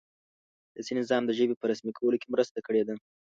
سیاسي نظام د ژبې په رسمي کولو کې مرسته کړې ده.